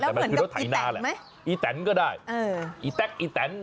แล้วเหมือนกับอีแต๊กไหมอีแต๊กก็ได้อีแต๊กอีแต๊ก